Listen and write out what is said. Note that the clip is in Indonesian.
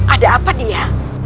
ada apa dia